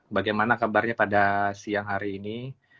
bagaimana kabarnya pada siang hari ini